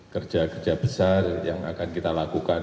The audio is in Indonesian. kerja kerja besar yang akan kita lakukan